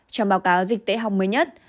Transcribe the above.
trong báo cáo dịch tễ học mới nhất